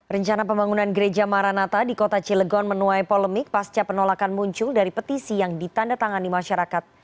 rencana pembangunan gereja maranata di kota cilegon menuai polemik pasca penolakan muncul dari petisi yang ditanda tangani masyarakat